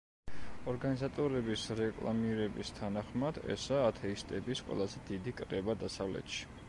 ორგანიზატორების რეკლამირების თანახმად ესაა ათეისტების ყველაზე დიდი კრება დასავლეთში.